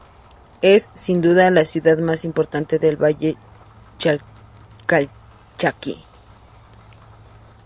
Es, sin duda, la ciudad más importante del Valle Calchaquí.